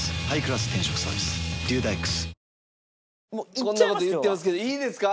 こんな事言ってますけどいいですか？